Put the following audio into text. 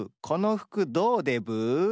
この服どうでブー？